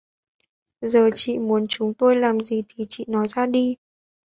giờ chị muốn chúng tôi làm gì thì chị nói ra đi